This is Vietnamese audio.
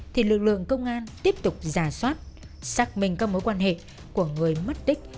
thì lực lượng công an tiếp tục giả soát xác minh các mối quan hệ của người mất tích